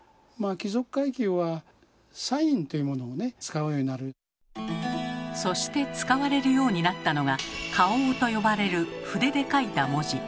貴族階級はそして使われるようになったのが「花押」と呼ばれる筆で書いた文字。